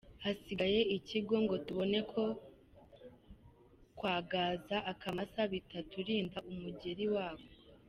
– Hasigaye iki ngo tubone ko kwagaza akamasa bitaturinda umugeli wako?